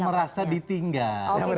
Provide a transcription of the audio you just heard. jangan merasa ditinggal